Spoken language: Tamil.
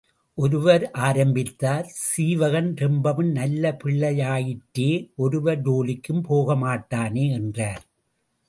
ஒருவர் ஆரம்பித்தார், சீவகன் ரொம்பவும் நல்ல பிள்ளையாயிற்றே ஒருவர் ஜோலிக்கும் போகமாட்டானே என்றார்.